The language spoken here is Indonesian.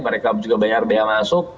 mereka juga bayar biaya masuk